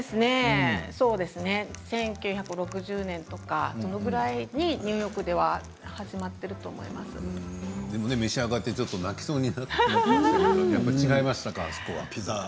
１９６０年とかそのくらいにニューヨークでは召し上がって泣きそうになっていましたけど違いましたか？